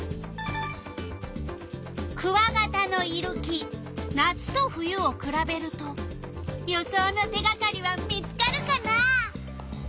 クワガタのいる木夏と冬をくらべると予想の手がかりは見つかるかな？